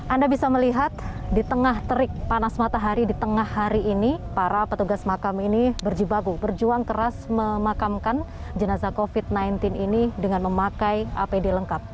anda bisa melihat di tengah terik panas matahari di tengah hari ini para petugas makam ini berjibaku berjuang keras memakamkan jenazah covid sembilan belas ini dengan memakai apd lengkap